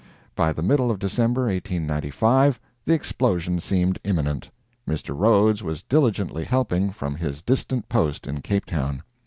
By the middle of December, 1895, the explosion seemed imminent. Mr. Rhodes was diligently helping, from his distant post in Cape Town.